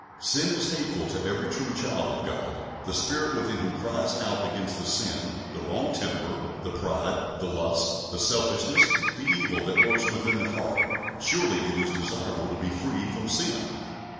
Sin is hateful to every true child of God. The Spirit within him cries out against the sin, the wrong temper, the pride, the lust, the selfishness, the evil that lurks within the heart. Surely, it is desirable to be free from sin.